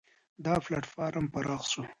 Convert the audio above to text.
دا پلېټفارم پراخ شو.